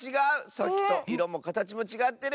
さっきといろもかたちもちがってる！